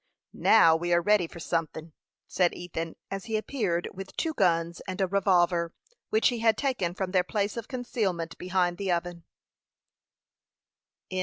"Now we are ready for sunthin'," said Ethan, as he appeared with two guns and a revolver, which he had taken from their place of concealment behind the oven.